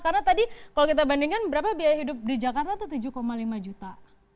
karena tadi kalau kita bandingkan berapa biaya hidup di jakarta itu tujuh lima juta